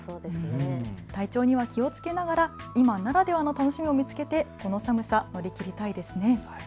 体調には気をつけながら今ならではの楽しみを見つけてこの寒さ、乗り切りたいですね。